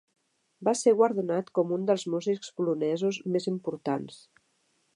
Va ser guardonat com un dels músics polonesos més importants.